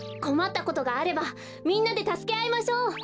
こまったことがあればみんなでたすけあいましょう。